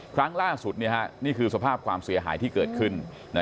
ครั้งล่าสุดนี่คือสภาพความเสียหายที่เกิดขึ้น